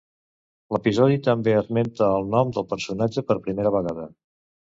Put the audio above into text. L'episodi també esmenta el nom del personatge per primera vegada.